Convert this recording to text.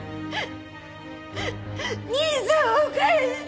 兄さんを返して！